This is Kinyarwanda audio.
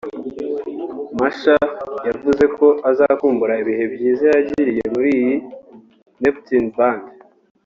Masha yavuze ko azakumbura ibihe byiza yagiriye muri Neptunez Band